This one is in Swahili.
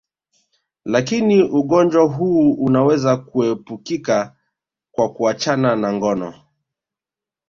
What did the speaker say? Lakini ugonjwa huu unaweza kuepukika kwa kuachana na ngono